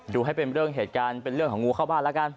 ดูให้เป็นเรื่องเหตุการณ์เป็นเรื่องของงูเข้าบ้านแล้วกัน